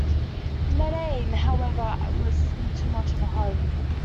Madame, however, was in too much of a hurry.